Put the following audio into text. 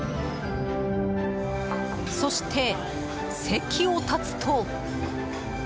そして、席を立つと。